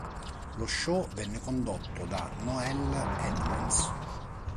Lo show venne condotto da Noel Edmonds.